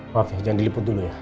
maaf ya jangan diliput dulu ya